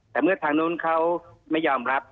แต่เมื่อทางนู้นเขาไม่ยอมรับ